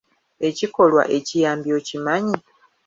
Ekikolwa ekiyambi okimanyi?